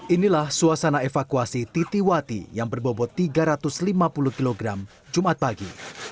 inilah suasana evakuasi titi wati yang berbobot tiga ratus lima puluh kg jumat pagi